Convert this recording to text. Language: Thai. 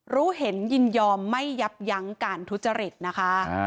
รู้เห็นยินยอมไม่ยับยั้งการทุจริตนะคะ